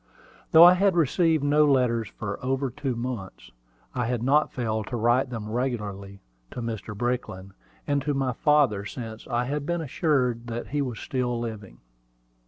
Though I had received no letters for over two months, I had not failed to write them regularly to Mr. Brickland, and to my father since I had been assured that he was still living.